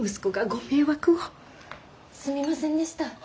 すみませんでした。